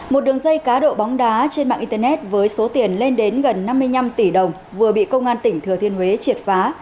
một đường dây cá độ bóng đá trên mạng internet với số tiền lên đến gần năm mươi năm tỷ đồng vừa bị công an tỉnh thừa thiên huế triệt phá